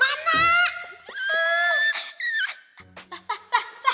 lah lah lah